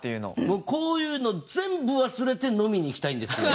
僕こういうの全部忘れて飲みに行きたいんですよ。